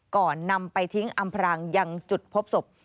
ก่อนนำไปทิ้งอำพรางยังจุดพบศพ